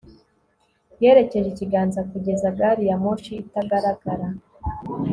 yerekeje ikiganza kugeza gari ya moshi itagaragara